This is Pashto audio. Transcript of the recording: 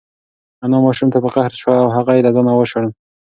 انا ماشوم ته په قهر شوه او هغه یې له ځانه وشړل.